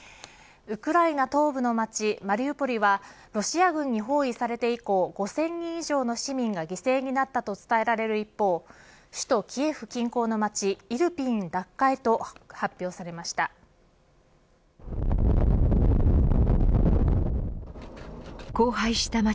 ウクライナ東部の街マリウポリはロシア軍に包囲されて以降５０００人以上の市民が犠牲になったと伝えられる一方首都キエフ近郊の町イルピン奪回と発表されました。